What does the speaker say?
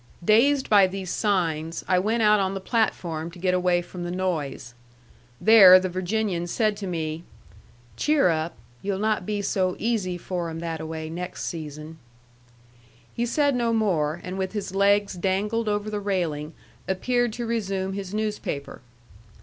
Dazed by these signs, I went out on the platform to get away from the noise. There the Virginian said to me: "Cheer up! You'll not be so easy for 'em that a way next season." He said no more; and with his legs dangled over the railing, appeared to resume his newspaper.